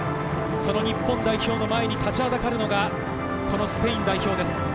日本代表の前に立ちはだかるのが、このスペイン代表です。